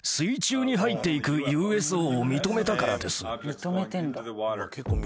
認めてんだ。